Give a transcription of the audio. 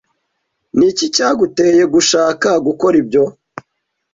Ni iki cyaguteye gushaka gukora ibyo?